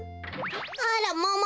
あらもも